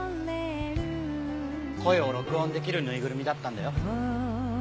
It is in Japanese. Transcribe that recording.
声を録音できるぬいぐるみだったんだよ。